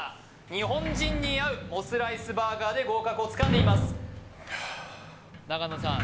日本人に合うモスライスバーガーで合格をつかんでいます永野さん